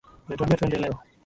walituambia twende leo